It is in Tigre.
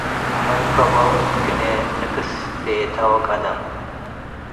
ምን ከቦ እት ግ’ኔ ንክስ ቤተ ወቀድም